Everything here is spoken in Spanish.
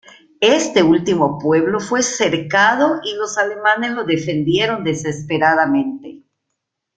Este último pueblo fue cercado y los alemanes lo defendieron desesperadamente.